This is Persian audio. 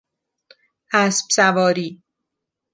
اسب سواری